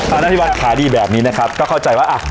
อนาธิวัฒน์ขาดีแบบนี้นะครับก็เข้าใจว่าอ่ะ